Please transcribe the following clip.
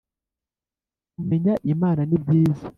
kumenya Imana, nibyiza